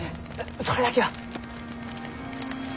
それだけは。